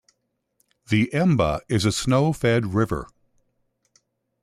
The Emba is a snow-fed river.